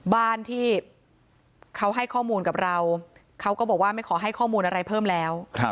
บ้านที่เขาให้ข้อมูลกับเราเขาก็บอกว่าไม่ขอให้ข้อมูลอะไรเพิ่มแล้ว